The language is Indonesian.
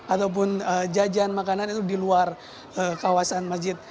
ataupun jajan makanan itu di luar kawasan masjid